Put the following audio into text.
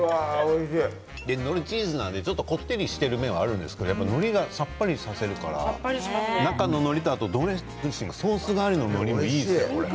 のりチーズなので、ちょっとこってりしている面もあるんですけれどものりがさっぱりさせるからあとソース代わりののりもいいです。